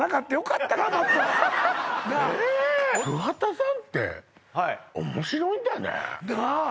桑田さんって面白いんだねなあ